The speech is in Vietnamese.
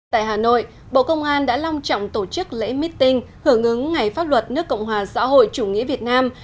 tại hà nội bộ công an đã long trọng tổ chức lễ meeting hưởng ứng ngày pháp luật nước cộng hòa xã hội chủ nghĩa việt nam